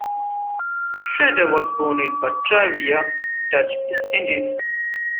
Schneider was born in Batavia, Dutch East Indies.